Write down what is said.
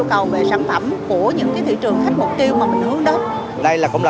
càng càng phát triển